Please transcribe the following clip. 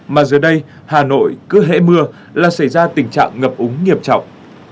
mà giờ đây hà nội cứ hễ mưa là xảy ra tình trạng ngập úng nghiêm trọng